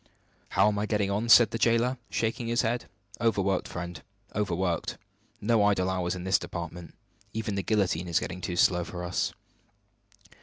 "How am I getting on?" said the jailer, shaking his head. "Overworked, friend overworked. No idle hours in our department. Even the guillotine is getting too slow for us!"